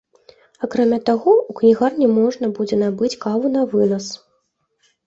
Акрамя таго, у кнігарні можна будзе набыць каву навынас.